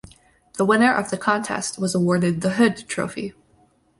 The winner of the contest was awarded the Hood Trophy.